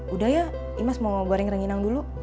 udah ya imas mau goreng renginang dulu